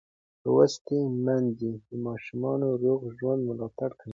لوستې میندې د ماشوم روغ ژوند ملاتړ کوي.